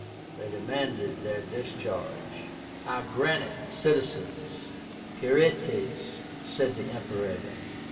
They demanded their discharge. "I grant it, citizens" (Quirites), said the Imperator.